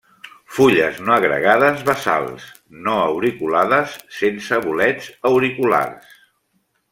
Fulles no agregades basals; no auriculades; sense bolets auriculars.